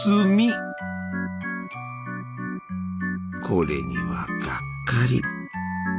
これにはがっかり。